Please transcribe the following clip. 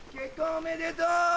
・おめでとう！